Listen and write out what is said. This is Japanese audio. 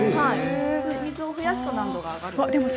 水を増やすと難度が上がります。